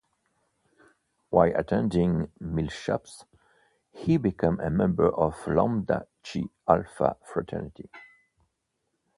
While attending Millsaps, he became a member of Lambda Chi Alpha Fraternity.